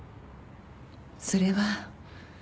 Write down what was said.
それは。